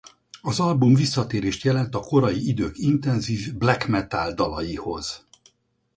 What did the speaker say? Az album visszatérést jelent a korai idők intenzív black metal dalaihoz.